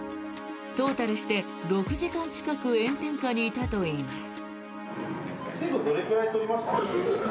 トータルして６時間近く炎天下にいたといいます。